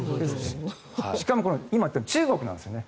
しかも、今中国なんですよね。